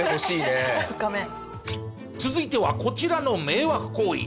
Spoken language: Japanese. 続いてはこちらの迷惑行為。